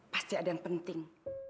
pasti ada yang penting